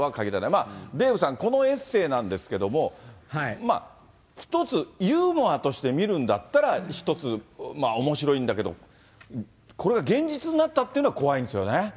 まあデーブさん、このエッセーなんですけれども、一つ、ユーモアとして見るんだったら、一つおもしろいんだけど、これが現実になったっていうのが怖いんですよね。